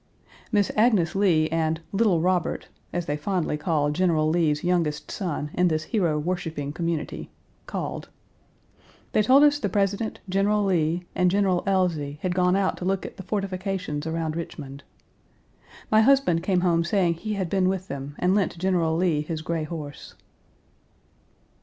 Miss Agnes Lee and "little Robert" (as they fondly call General Lee's youngest son in this hero worshiping community) called. They told us the President, General Lee, and General Elzey had gone out to look at the fortifications around Richmond. My husband came home saying he had been with them, and lent General Lee his gray horse.